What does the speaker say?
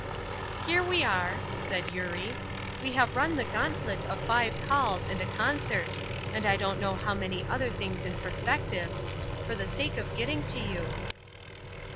"Here we are," said Eurie. "We have run the gauntlet of five calls and a concert, and I don't know how many other things in prospective, for the sake of getting to you."